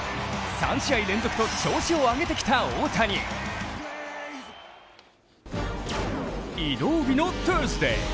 ３試合連続と調子を上げてきた大谷移動日のチューズデー。